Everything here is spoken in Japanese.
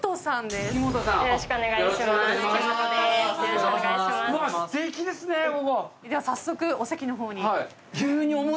では早速お席の方に。